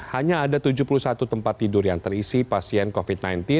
hanya ada tujuh puluh satu tempat tidur yang terisi pasien covid sembilan belas